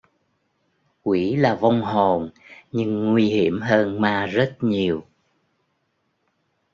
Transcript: quỷ là vong hồn nhưng nguy hiểm hơn ma rất nhiều